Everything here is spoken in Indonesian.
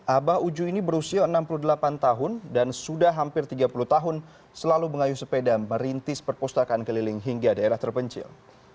abah uju ini berusia enam puluh delapan tahun dan sudah hampir tiga puluh tahun selalu mengayu sepeda merintis perpustakaan keliling hingga daerah terpencil